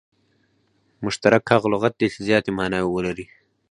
مشترک هغه لغت دئ، چي زیاتي ماناوي ولري.